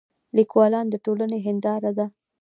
لیکوالان د ټولنې هنداره ده.